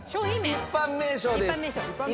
一般名称です。